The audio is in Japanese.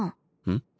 うん？